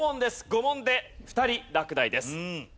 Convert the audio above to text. ５問で２人落第です。